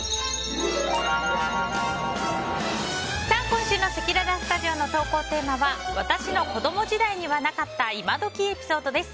今週のせきららスタジオの投稿テーマは私の子供時代にはなかった今どきエピソードです。